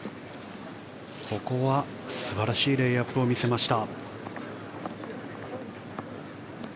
ここは素晴らしいレイアップを見せました。